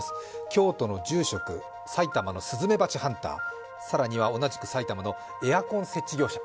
京都の住職、埼玉のスズメバチハンター、更には同じく埼玉のエアコン設置業者、